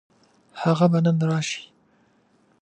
هغه به نن راشي.